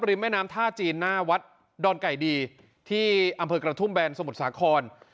แม่น้ำท่าจีนหน้าวัดดอนไก่ดีที่อำเภอกระทุ่มแบนสมุทรสาคร